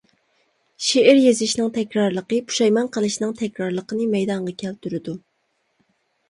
شېئىر يېزىشنىڭ تەكرارلىقى پۇشايمان قىلىشنىڭ تەكرارلىقىنى مەيدانغا كەلتۈرىدۇ.